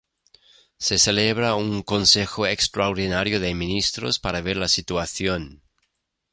Se celebra un consejo extraordinario de ministros para ver la situación.